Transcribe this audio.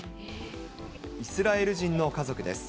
イスラエル人の家族です。